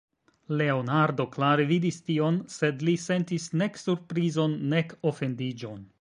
Leonardo klare vidis tion, sed li sentis nek surprizon, nek ofendiĝon.